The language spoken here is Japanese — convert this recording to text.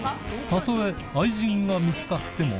たとえ愛人が見つかっても。